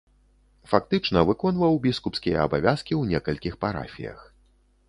Фактычна выконваў біскупскія абавязкі ў некалькіх парафіях.